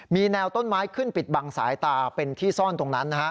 มีแนวต้นไม้ขึ้นปิดบังสายตาเป็นที่ซ่อนตรงนั้น